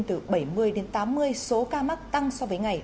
từ bảy mươi đến tám mươi số ca mắc tăng so với ngày